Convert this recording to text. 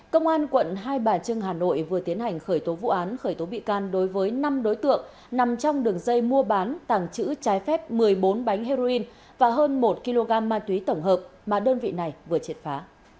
công an quận hai bà trưng hà nội vừa tiến hành khởi tố vụ án khởi tố bị can đối với năm đối tượng nằm trong đường dây mua bán tàng trữ trái phép một mươi bốn bánh heroin và hơn một kg ma túy tổng hợp mà đơn vị này vừa triệt phá